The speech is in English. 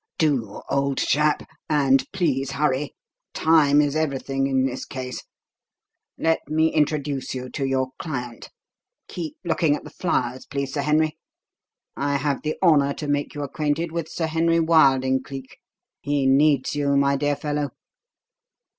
"Do, old chap and please hurry; time is everything in this case. Let me introduce you to your client. (Keep looking at the flowers, please, Sir Henry.) I have the honour to make you acquainted with Sir Henry Wilding, Cleek; he needs you, my dear fellow."